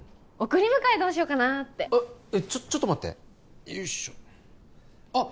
送り迎えどうしようかなってえっちょっと待ってよいしょあっ